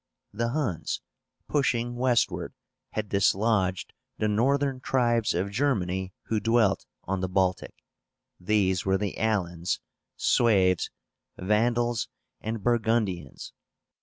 The Huns, pushing westward, had dislodged the northern tribes of Germany who dwelt on the Baltic. These were the Alans, Sueves, Vandals, and Burgundians.